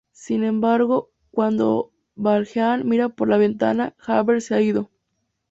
Sin embargo, cuando Valjean mira por la ventana, Javert se ha ido.